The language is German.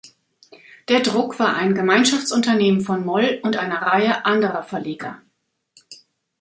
Der Druck war ein Gemeinschaftsunternehmen von Moll und einer Reihe anderer Verleger.